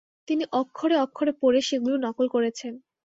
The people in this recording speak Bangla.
তিনি অক্ষরে অক্ষরে পড়ে সেগুলো নকল করেছেন ।